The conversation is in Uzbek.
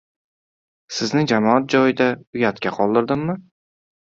Sizni jamoat joyida uyatga qoldirdimi?